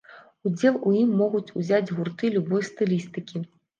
Удзел у ім могуць узяць гурты любой стылістыкі.